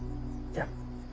じゃあ。